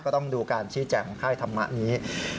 ก็ต้องดูการชี้แจ่งค่ายทำมะนี้